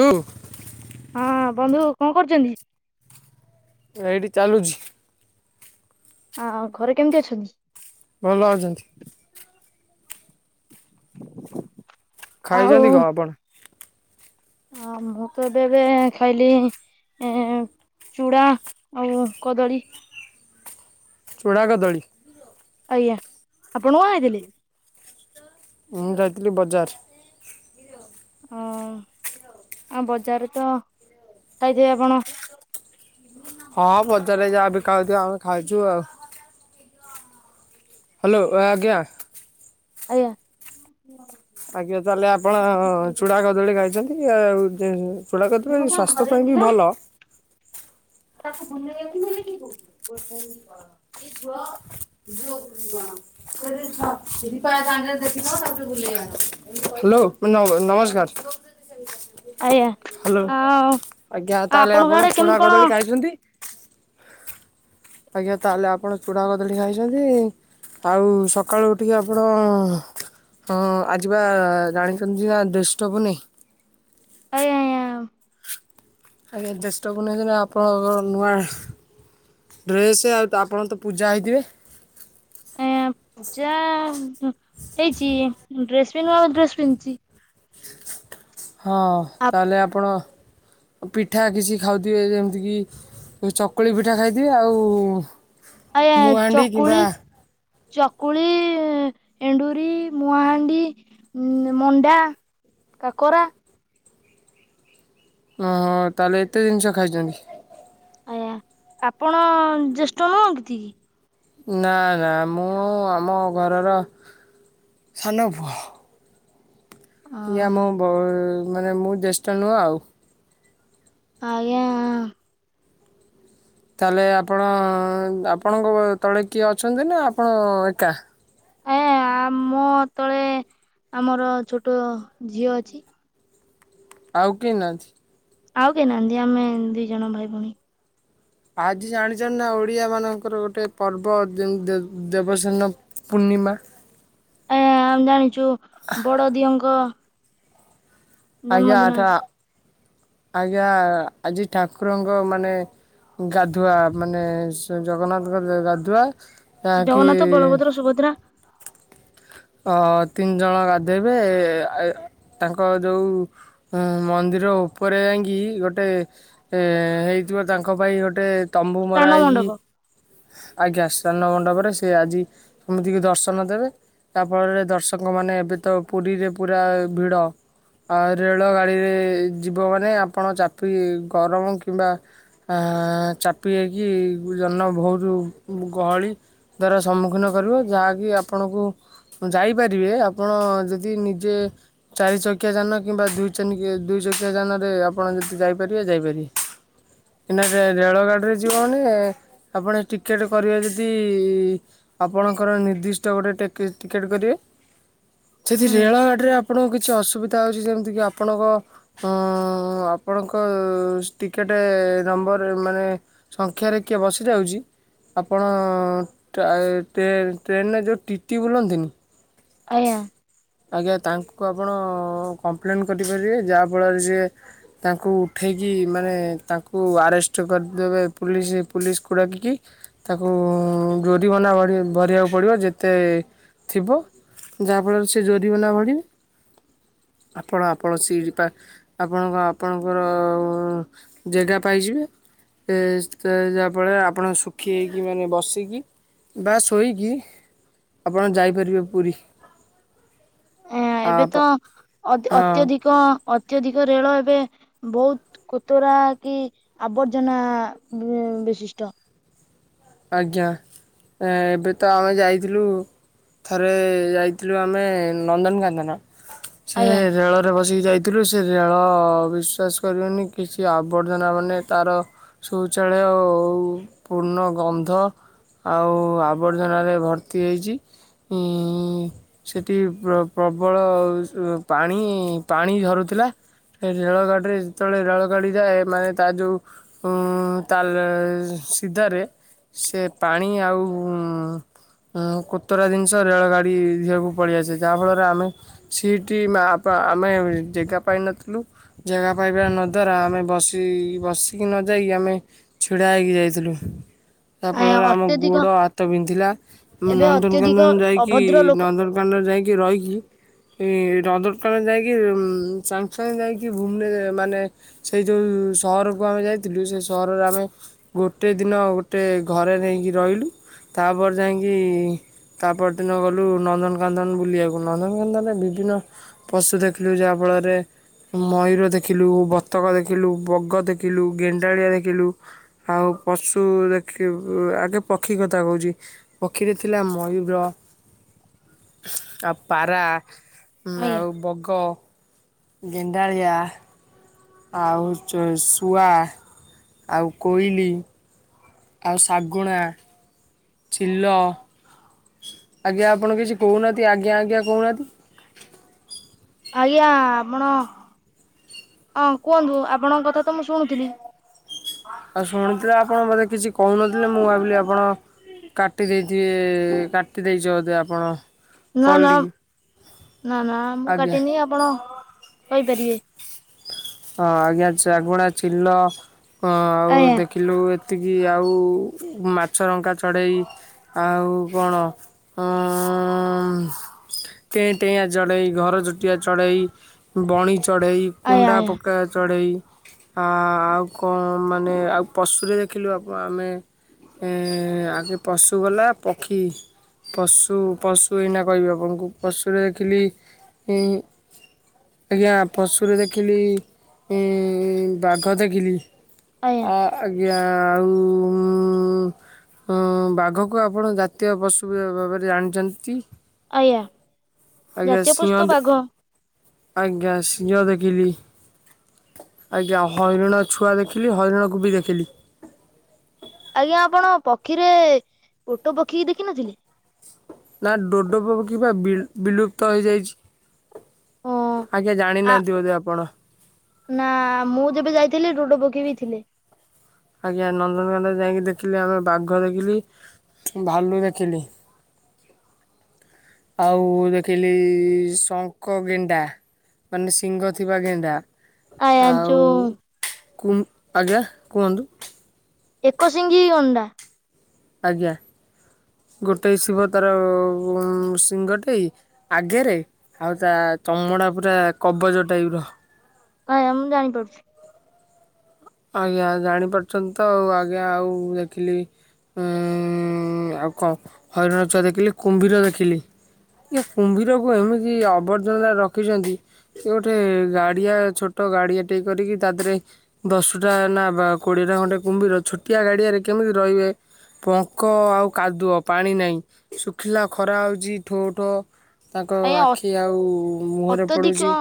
ତୁ ହଁ ବନ୍ଧୁ କଣ କରୁଚନ୍ତି? ଏଇଠି ଚାଲୁଚି। ଆ ଘରେ କେମିତି ଅଛନ୍ତି? ଭଲ ଅଛନ୍ତି ଖାଇଚନ୍ତି କଣ ଆପଣ? ହ ମୁଁ ତ ଏବେ ଏବେ ଖାଇଲି ଏ ଚୁଡ଼ା ଆଉ କଦଳୀ। ଚୁଡା କଦଳୀ। ଆଜ୍ଞା ଆପଣ କଣ ଖାଇଥିଲେ? ମୁଁ ଯାଇଥିଲି ବଜାର। ହଁ। ଆଉ ବଜାରରେ ତ ଖାଇଥିବେ ଆପଣ? ହଁ ବଜାରରେ ଯାହା ବିକା ହୋଉଥିଲା ଆମେ ଖାଉଚୁ ଆଉ। ହାଲୋ ଏ ଆଜ୍ଞା। ଆଜ୍ଞା। ଆଜ୍ଞା ତାହେଲେ ଆପଣ ଚୁଡା କଦଳୀ ଖାଇଚନ୍ତି ଆଉ ଚୁଡା କଦଳୀ ସ୍ୱାସ୍ଥ୍ୟ ପାଇଁ ବି ଭଲ। ତାକୁ ବୁଲେଇବାକୁ ନେଲେ କୀ କୋଉଠି [unintelligible] [unintelligible] ହାଲୋ ନ ନମସ୍କାର। ଆଜ୍ଞା ହାଲୋ ଆଉ ଆଜ୍ଞା ତାହେଲେ ଆପଣଙ୍କ ଆପଣ ଆଡେ ଚୁଡା କେମିତି କଣ କଦଳୀ ଖାଇଚନ୍ତି। ଆଜ୍ଞା ତାହେଲେ ଆପଣ ଚୁଡ଼ା କଦଳୀ ଖାଇଛନ୍ତି ଆଉ ସକାଳୁ ଉଠିକି ଆପଣ ହଁ ଆଜିପା ଜାଣିଛନ୍ତି ନା ଜ୍ୟେଷ୍ଠ ପୁନେଇଁ? ହଁ ଆଜ୍ଞା ଜ୍ୟେଷ୍ଠ ପୁନେଇଁ ଦିନ ଆପଣଙ୍କର ନୂଆ ଡ୍ରେସ ଆଉ ତ ଆପଣ ତ ପୂଜା ହେଇଥିବେ? ହୁଁ ପୂଜା ଅଁ ହେଇଚି ଡ୍ରେସ ବି ନୂଆ ଡ୍ରେସ ପିନ୍ଧିଚି। ହଁ ତାହେଲେ ଆପଣ ପିଠା କିଛି ଖାଉଥିବେ ଯେମିତିକି ଚକୁଳି ପିଠା ଖାଇଥିବେ ଆଉ ଆଜ୍ଞା ମୁଆଣ୍ଡି କିମ୍ବା ଚକୁଳି ଚକୁଳି ଏଣ୍ଡୁରି ମୁହାଣ୍ଡି ମଣ୍ଡା କାକରା ଓହୋ ତାହେଲେ ଏତେ ଜିନିଷ ଖାଇଚନ୍ତି। ଆଜ୍ଞା ଆପଣ ଜ୍ୟେଷ୍ଠ ନୁହଁତି କି? ନା ନା ମୁଁ ଆମ ଘରର ସାନପୁଅ ଆଜ୍ଞା ମୋ ବ ମାନେ ମୁଁ ଜ୍ୟେଷ୍ଠ ନୁହଁ ଆଉ। ଆଜ୍ଞା। ତାହେଲେ ଆପଣ ଆପଣଙ୍କ ତଳେ କିଏ ଅଛନ୍ତି ନା ଆପଣ ଏକା? ଆଜ୍ଞା ମୋ ତଳେ ଆମର ଛୋଟ ଝିଅ ଅଛି। ଆଉ କେହି ନାହାନ୍ତି? ଆଉ କେହି ନାହାନ୍ତି ଆମେ ଦି ଜଣ ଭାଇ ଭଉଣୀ। ଆଜି ଜାଣିଛନ୍ତି ନା ଓଡିଆ ମାନଙ୍କର ଗୋଟେ ପର୍ବ ଯୋଉ ଦେବ ଦେବସାନ୍ନ ପୁ ପୁର୍ଣ୍ଣି ପୂର୍ଣ୍ଣିମା ଆଜ୍ଞା ଆମେ ଜାଣିଚୁ ବଡ ଦିଅଁ ଙ୍କ ଆଜ୍ଞା ଆଟା ଆଜ୍ଞା ଆଜି ଠାକୁରଙ୍କ ମାନେ ଗାଧୁଆ ମାନେ ସ ଜଗନ୍ନାଥଙ୍କ ଗାଧୁଆ ଯହାକି ଜଗନ୍ନାଥ ବଳଭଦ୍ର ସୁଭଦ୍ରା ଅ ତିନି ଜଣ ଗାଧେଇବେ ଆ ତାଙ୍କ ଯେଉଁ ଏଁ ମନ୍ଦିର ଉପରେ ଯାଇଁକି ଗୋଟେ ହେଇ ଯିବ ତାଙ୍କ ପାଇଁ ଗୋଟେ ତମ୍ବୁ ମରା ସ୍ନାନ ହେଇକି ମଣ୍ଡପ ଆଜ୍ଞା ସାନ୍ନ ମଣ୍ଡପରେ ସେ ଆଜି ସମସ୍ତଙ୍କୁ ଦର୍ଶନ ଦେବେ ଯାହା ଫଳରେ ଦର୍ଶକ ମାନେ ଏବେ ତ ପୁରୀରେ ପୁରା ଭିଡ ଆଉ ରେଳ ଗାଡ଼ିରେ ଯିବ ମାନେ ଆପଣ ଚାପିକ ଗରମ କିମ୍ବା ଆଁ ଆଁ। ଚାପି ହେଇକି ଜନ ବହୁତୁ ଗହଳି ଦ୍ଵାରା ସମ୍ମୁଖୀନ କରିବ ଯାହାକି ଆପଣଙ୍କୁ ଯାଇପାରିବେ ଆପଣ ଯଦି ନିଜେ ଚାରି ଚକିଆ ଯାନ କିମ୍ବା ଦୁ ଛାନିକି ଦୁଇ ଚକିଆ ରେ ଆପଣ ଯଦି ଯାଇପାରିବେ ଯାଇପାରିବେ କାହିଁକି ନା ରେଳ ଗାଡି ଯିବନି ଆପଣ ଟିକେଟ କରିବେ ଯଦି ଆପଣଙ୍କର ନିର୍ଦ୍ଦିଷ୍ଟ ଗୋଟେ ଟିକେ ଟିକେଟ୍ କରିବେ। ସେଠି ଆଜ୍ଞା ରେଳ ଗାଡି ରେ ଆପଣଙ୍କୁ କିଛି ଅସୁବିଧା ହଉଚି ଯେମିତି କି ଆପଣଙ୍କ ହଁ ଅପ୍ ଆପଣଙ୍କ ଟିକେଟ୍ ନମ୍ବର ମାନେ ସଂଖ୍ୟାରେ କିଏ ବସିଯାଉଚି ଆପଣ ଟ୍ରେନ ଟ୍ରେନରେ ଯୋଉ ଟିଟି ବୁଲନ୍ତି ଆଜ୍ଞା। ଆଜ୍ଞା ତାଙ୍କୁ ଆପଣ କମ୍ପ୍ଲେନ୍ କରିପାରିବେ ଯାହାଫଳରେ ସିଏ ତାଙ୍କୁ ଉଠେଇକି କି ମାନେ ତାଙ୍କୁ ଆରେଷ୍ଟ କରିଦେବେ ପୁଲିସ୍ ପୁଲିସ୍ କୁ ଡ଼ାକିକି ତାକୁ ଜୋରିିମନା ବଡ଼ି ଭରିବାକୁ ପଡ଼ିବ ଯେତେ ଥିବ ଯାହା ଫଳରେ ସେ ଜୋରିବନା ଭରୀବେ ଆପଣ ଆପଣ ସିଟ ପା ଆପଣଙ୍କ ଆପଣଙ୍କର ଜେଗା ପାଇଯିବେ। ଏ ଯାହାଫଳରେ ଆପଣ ଶୁଖି ହେଇକି ମାନେ ବସିକି ବା ଶୋଇକି ଆପଣ ଯାଇପାରିବେ ପୁରୀ ଆ ଏବେ ତ ଅତ ହଁ ଅତ୍ୟଧିକ ଅତ୍ୟଧିକ ରେଳ ଏବେ ବହୁତ କୋତରା କି ଆବର୍ଜନା ବିଶିଷ୍ଟ ଆଜ୍ଞା ଏବେ ତ ଆମେ ଯାଇଥିଲୁ ଥରେ ଯାଇଥିଲୁ ଆମେ ନନ୍ଦନକାନନ ସେ ଆଜ୍ଞା ରେଳରେ ବସି ଯାଇଥିଲୁ ସେ ରେଳ ବିଶ୍ୱାସ କରିବନି କିଛି ଆବର୍ଜନା ମାନେ ତାର ଶୌଚଳୟ ଖେଳେ ଆଉ ପୂର୍ଣ୍ଣ ଗନ୍ଧ ଆଉ ଆବର୍ଜନାରେ ଭର୍ତ୍ତି ହେଇଚି ଉଁ ସେଠି ପ୍ରବଳ ପାଣି ପାଣି ଝରୁଥିଲା ଏ ରେଳଗାଡ଼ିରେ ଯେତେବେଳେ ରେଳଗାଡ଼ି ଯାଏ ମାନେ ତା ଯୋଉ ତା ସିଧାରେ ସେ ପାଣି ଆଉ ଉ କୁତୁରା ଜିନିଷ ରେଳଗାଡି ଦିହକୁ ପଳିଆସେ ଯାହା ଫଳରେ ଆମେ ସିଟି ଆ ଆମେ ଜେଗା ପାଇନଥିଲୁ। ଜାଗା ପାଇବା ନ ଦ୍ଵାରା ଆମେ ବସି ବସିକି ନ ଯାଇ ଆମେ ଛିଡ଼ା ହେଇକି ଯାଇଥିଲୁ। ଯାହା ଆଜ୍ଞା ଫଳରେ ଆମ ଅତ୍ୟଧିକ ଗୋଡ ହାତ ବିନ୍ଧିଲା ଆମେ ଏବେ ନନ୍ଦନକାନନ ଅତ୍ୟଧିକ ଯାଇକି ଅଭଦ୍ର ଲୋକ ନନ୍ଦନକାନନ ଯାଇକି ରହିକି ନନ୍ଦନକାନନ ଯାଇକି ସାଙ୍ଗେ ସାଙ୍ଗେ ଯାଇକି ଭୁବନେ ମାନେ ସେଇ ଯୋଉ ସହରକୁ ଆମେ ଯାଇଥିଲୁ ସେ ସହରରେ ଆମେ ଗୋଟେ ଦିନ ଗୋଟେ ଘରେ ନେଇକି ରହିଲୁ। ତାପରେ ଯାଇଁକି ତା ପରଦିନ ଗଲୁ ନନ୍ଦନକାନନ ବୁଲିବାକୁ ନନ୍ଦନକାନନରେ ବିଭିନ୍ନ ପଶୁ ଦେଖିଲୁ ଯାହା ଫଳ ପରେ ମୟୂର ଦେଖିଲୁ, ବତକ ଦେଖିଲୁ, ବଗ ଦେଖିଲୁ, ଗେଣ୍ଡାଳିଆ ଦେଖିଲୁ ଆଉ ପଶୁ ଦେଖି ଆଗେ ପକ୍ଷୀ କଥା କହୁଛି ପକ୍ଷୀରେ ଥିଲା ମୟୂର ଆଉ ପାରା ଆଜ୍ଞା ଆଉ ବଗ, ଗେଣ୍ଡାଳିଆ ଆଉ ଚୁ ଶୁଆ, ଆଉ କୋଇଲି ଆଉ ଶାଗୁଣା, ଚିଲ ଆଜ୍ଞା ଆପଣ କିଛି କହୁନାହାନ୍ତି ଆଜ୍ଞା ଆଜ୍ଞା କହୁନାହାନ୍ତି ଆଜ୍ଞା ଆପଣ ହଁ କୁହନ୍ତୁ ଆପଣଙ୍କ କଥା ତ ମୁଁ ଶୁଣୁଥିଲି। ଆଉ ଶୁଣିଥିଲେ ଆପଣ ବୋଧେ କିଛି କହୁନଥିଲେ ମୁଁ ଭାବିଲି ଆପଣ କାଟି ଦେଇଥିବେ କାଟି ଦେଇେଚ ବୋଧେ ଆପଣ। ନା କଲ୍ ନା ଟିକି ନା ନା ମୁଁ ଆଜ୍ଞା କାଟିନି ଆପଣ କହିପାରିବେ। ହଁ ଆଜ୍ଞା ଶାଗୁଣା ଚିଲ ଆଉ ଆଜ୍ଞା ଦେଖିଲୁ ଏତିକି କି ଆଉ ମାଛରଙ୍କା ଚଢ଼େଇ। ଆଉ କଣ ଅ ଟେଁ ଟେଇଁଆ ଚଢେଇ ଘର ଚଟିଆ ଚଢ଼େଇ ବଣି ଚଢ଼େଇ ଆଜ୍ଞା କୁଣ୍ଡା ଆଜ୍ଞା ପ ଚଢେଇ ଆ ଆଉ କଣ ମାନେ ଆଉ ପଶୁରେ ଦେଖିଲୁ ଆ ଆମେ ଏ ଆଗ ପଶୁ ଗଲା ପକ୍ଷୀ ପଶୁ ପଶୁ ଏଇନା କହିବି ଆପଣଙ୍କୁ ପଶୁରେ ଦେଖିଲି ଆଜ୍ଞା ପଶୁରେ ଦେଖିଲି ଏ ବାଘ ଦେଖିଲି ଆଜ୍ଞା ଆ ଆ ଆଉ ବା ବାଘକୁ ଆପଣ ଜାତୀୟ ପଶୁ ଭାବରେ ଜାଣିଚନ୍ତି। ଆଜ୍ଞା ଆଜ୍ଞା ଜାତୀୟ ସିଂହ ପଶୁ ବାଘ ଆଜ୍ଞା ସିଂହ ଦେଖିଲି। ଆଜ୍ଞା ହଇରାଣ ଛୁଆ ଦେଖିଲି ହରିଣ କୁବି ଦେଖିଲି। ଆଜ୍ଞା ଆପଣ ପକ୍ଷୀରେ ଓଟ ପକ୍ଷୀକି ଦେଖିନଥିଲେ? ନା ଡୋଡୋ ପକ୍ଷୀ ବା ବି-ବିଲୁପ୍ତ ହେଇଯାଇଛି। ହଁ ଆଜ୍ଞା ଆ ଜାଣିନାହାନ୍ତି ବୋଧେ ଆପଣ। ନା ମୁଁ ଯେବେ ଯାଇଥିଲି ଡୋଡୋ ପକ୍ଷୀ ବିି ଥିଲେ। ଆଜ୍ଞା ନନ୍ଦନକାନନ ଯାଇକି ଦେଖିଲି ଆମେ ବାଘ ଦେଖିଲି। ଭାଲୁ ଦେଖିଲି। ଆଉ ଦେଖିଲି ଶଙ୍ଖ ଗେଣ୍ଡା। ମାନେ ଶିଙ୍ଗ ଥିବା ଗେଣ୍ଡା। ଆଜ୍ଞା ଆଉ ଯୋଉ କୁନ୍ ଆଜ୍ଞା କୁହନ୍ତୁ। ଏକ ଶିଙ୍ଗି ଗଣ୍ଡା। ଆଜ୍ଞା ଗୋଟେ ଶିଙ୍ଗ ତାର ଉଁ ଶିଙ୍ଗଟେ। ଆଗେରେ ଆଉ ତା ଚମଡ଼ା ପୁରା କବଜ ଟାଇପ ର। ଆଜ୍ଞା ମୁଁ ଜାଣି ପାରୁଛି। ଆଜ୍ଞା ଜାଣିପାରୁଚନ୍ତି ତ ଆଉ ଆଜ୍ଞା ଆଉ ଦେଖିଲି ଏଁ ଉଁ ଆଉ କଣ ହରିଣ ଛୁଆ ଦେଖିଲି କୁମ୍ଭୀର ଦେଖିଲି। ଏ କୁମ୍ଭୀରକୁ ଏମିତି ଅବର୍ଜନା ରଖିଚନ୍ତି। ସେ ଗୋଟେ ଗାଡିଆ ଛୋଟ ଗାଡିଆ ଟିଏ କରିକି ତା ଦେହରେ ଦଶୁଟା ନା ବା କୋଡ଼ିଏଟା ଖଣ୍ଡେ କୁମ୍ଭୀର ଛୋଟିଆ ଗାଡ଼ିଆରେ କେମିତି ରହିବେ। ପଙ୍କ ଆଉ କାଦୁଅ ପାଣି ନାଇଁ ଶୁଖିଲା ଖରା ହଉଛି ଠୋ ଠୋ। ତାଙ୍କ ଆଜ୍ଞା ଆଖି ଆଉ ମୁହଁରେ ଅତ୍ୟଧିକ ପଡୁଚି।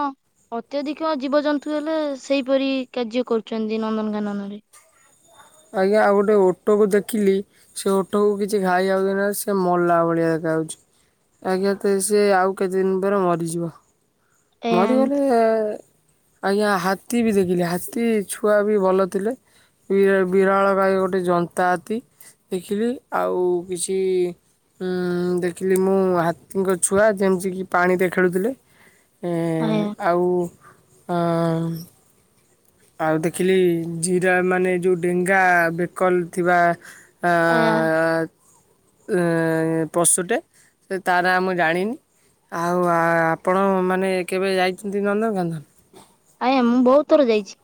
ଅତ୍ୟଧିକ ଜୀବଜନ୍ତୁ ହେଲେ ସେଇପରି କାର୍ଯ୍ୟ କରୁଚନ୍ତି ନନ୍ଦନକାନନରେ। ଆଜ୍ଞା ଆଉ ଗୋଟେ ଓଟୋ କୁ ଦେଖିଲି ସେ ଓଟ କୁ କିଛି ଖାଇଆକୁ ଦେଇନାହାନ୍ତି ସେ ମଲା ଭଳିଆ। ଯାଉଛି ଆଜ୍ଞା ତ ସିଏ ଆଉ କେତେ ଦିନି ପରେ ମରିଯିବ। ମରିଗଲେ ଆୟା ଏ ଆଜ୍ଞା ହାତୀ ବି ଦେଖିଲି ହାତୀ ଛୁଆ ବି ଭଲ ଥିଲେ। ବି ଏ ବିରାଳ ଗାଈ ଗୋଟେ ଜନ୍ତା ହାତୀ ଦେଖିଲି ଆଉ କିଛି ଉଁ ଦେଖିଲି ମୁଁ ହାତୀଙ୍କ ଛୁଆ ଯେମତିକି ପାଣିରେ ଖେଳୁଥିଲେ। ଆୟା ଏଁ ଆଉ ଅଁ ଆଉ ଦେଖିଲି ଜିରା ମାନେ ଯୋଉ ଡେଙ୍ଗା ବେକ ଲ ଥିବା ଆୟା ଆଁ ଏଁ ପଶୁଟେ। ସେ ତା ନାଁ ମୁଁ ଜାଣିନି। ଆଉ ଆ-ଆପଣ ମାନେ କେବେ ଯାଇ ଚନ୍ତି ନନ୍ଦନକାନନ। ଆୟା ମୁଁ ବହୁତ ଥର ଯାଇଛି।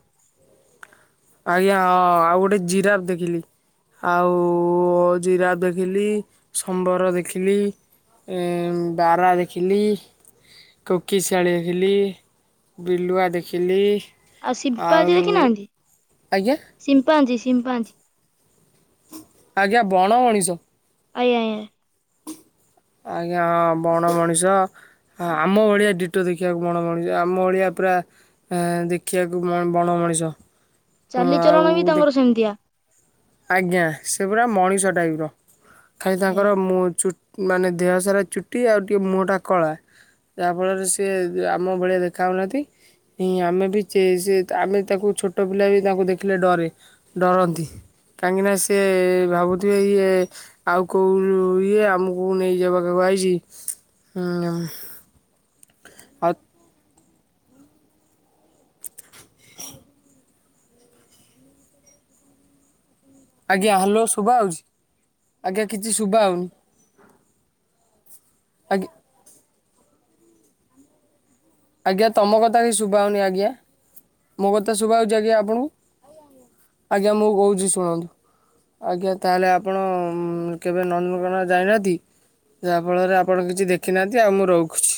ଆଜ୍ଞା ହଁ ଆଉ ଗୋଟେ ଜିରାପ୍ ଦେଖିଲି। ଆଉ ଜିରାପ୍ ଦେଖିଲି ସମ୍ବର ଦେଖିଲି। ଏଁ ବାରା ଦେଖିଲି କୋକିଶିଆଳି ଦେଖିଲି। ବିଲୁଆ ଦେଖିଲି। ଆଉ ଆଜ୍ଞା ଶିମ୍ପାଜି ଶିମ୍ପାଜି। ଆଜ୍ଞା ବଣ ମଣିଷ। ଆଜ୍ଞା ଆଜ୍ଞା। ଆଜ୍ଞା ହଁ ବଣ ମଣିଷ। ହଁ ଆମ ଭଳିଆ ଡିଟୋ ଦେଖି ଖିଆକୁ ବଣ ମଣିଷ ଆମ ଭଳିଆ ପୁରା ଏଁ ଦେଖିଆକୁ ମ ବଣ ମଣିଷ। ହଁ ଆଉ ଚାଲିଚଳଣ ବି ଦେ ତାଙ୍କର ସେମିତିଆ ଆଜ୍ଞା ସେ ପୁରା ମଣିଷ ଟାଇପ ର। ଖାାଲି ଆୟା। ତାଙ୍କର ମୁ ଚୁ ମାନେ ଦେହ ସାରା ଚୁଟି ଆଉ ଟିକେ ମୁହଁ ଟା କଳା। ଯାହା ଫଳରେ ସିଏ ଆମ ଭଳିଆ ଦେଖା ହଉନାହାନ୍ତି। ହିଁ ଆମେ ବି ଚେ ସିଏ ତ ଆମେ ତାଙ୍କୁ ଛୋଟ ପିଲା ବି ତାଙ୍କୁ ଦେଖିଲେ ଡରେ ଡରନ୍ତି। କାହିଁକି ନା ସିଏ ଭାବୁଥିବେ ଇଏ ଆଉ କୋଉ ଇଏ ଆମୁକୁ ନେଇଯିବ କ କୁ ଆଇଚି। ଉଁ ନମ୍ ଆଉ ଆଜ୍ଞା ହାଲୋ ଶୁବା ହଉଚି? ଆଜ୍ଞା କିଛି ଶୁବା ହଉନି। ଆଜ୍ଞା। ଆଜ୍ଞା ତମ କଥା ବି ଶୁଭା ହଉନି ଆଜ୍ଞା। ମୋ କଥା ଶୁଭା ହଉଚି ଆଜ୍ଞା ଆପଣଙ୍କୁ? ଆଜ୍ଞା ମୁଁ କହୁଚି ଶୁଣନ୍ତୁ। ଆଜ୍ଞା ତାହଲେ ଆପଣ କେବେ ନନ୍ଦନକାନନ ଯାଇନାହାନ୍ତି? ଯାହାଫଳରେ ଆପଣ କିଛି ଦେଖି ନାହାନ୍ତି ଆଉ ମୁଁ ରଖୁଚି।